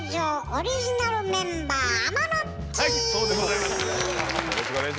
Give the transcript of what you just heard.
オリジナルメンバーはい！